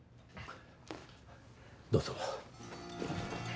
どうぞ。